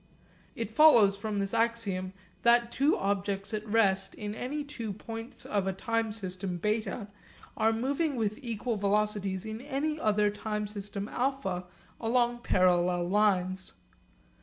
It follows from this axiom that two objects at rest in any two points of a time system β are moving with equal velocities in any other time system α along parallel lines.